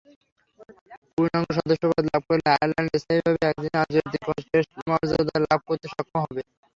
পূর্ণাঙ্গ সদস্য পদ লাভ করলে আয়ারল্যান্ড স্থায়ীভাবে একদিনের আন্তর্জাতিক ও টেস্ট মর্যাদা লাভে সক্ষম হবে।